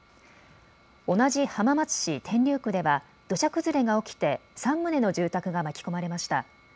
同じ浜松市天竜区では土砂崩れが起きて３棟の住宅が巻き込まれました。